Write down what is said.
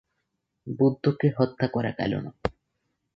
বুদ্ধকে হত্যা করা গেল না।